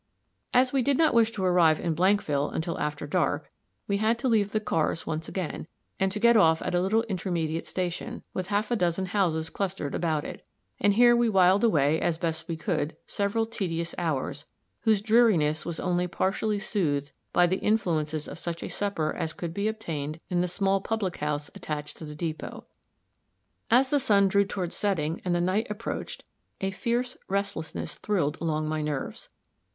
As we did not wish to arrive in Blankville until after dark, we had to leave the cars once again, and to get off at a little intermediate station, with half a dozen houses clustered about it; and here we whiled away, as we best could, several tedious hours, whose dreariness was only partially soothed by the influences of such a supper as could be obtained in the small public house attached to the depot. As the sun drew toward setting and the night approached, a fierce restlessness thrilled along my nerves.